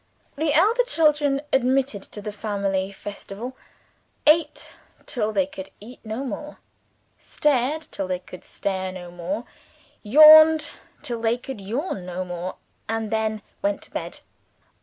The elder children, admitted to the family festival, ate till they could eat no more; stared till they could stare no more; yawned till they could yawn no more and then went to bed.